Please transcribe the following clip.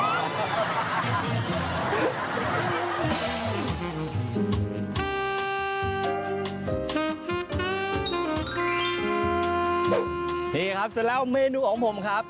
นี่ครับเสร็จแล้วเมนูของผมครับ